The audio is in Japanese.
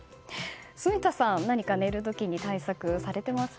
住田さん、何か寝る時に対策されていますか？